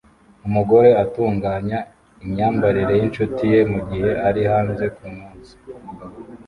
Umugore atunganya imyambarire yinshuti ye mugihe ari hanze kumunsi